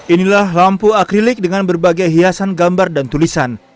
inilah lampu akrilik dengan berbagai hiasan gambar dan tulisan